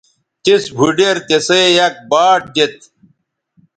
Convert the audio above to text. تِس بُھوڈیر تِسئ یک باٹ دیتھ